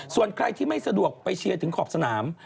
ส่วนใครที่ไม่สะดวกไปเชียร์ถึงขอบสนาม